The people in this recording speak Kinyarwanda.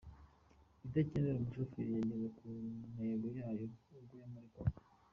idakenera umushoferi yageze ku ntego yayo ubwo yamurikagwa.